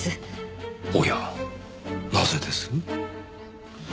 おやなぜです？